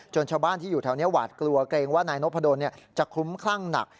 ชาวบ้านที่อยู่แถวนี้หวาดกลัวเกรงว่านายนพดลจะคลุ้มคลั่งหนัก